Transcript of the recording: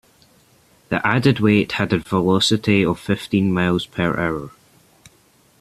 The added weight had a velocity of fifteen miles per hour.